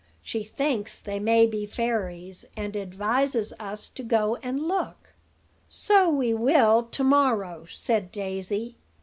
She thinks they may be fairies, and advises us to go and look." "So we will to morrow," said Daisy.